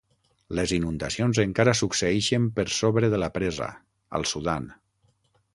Les inundacions encara succeeixen per sobre de la presa, al Sudan.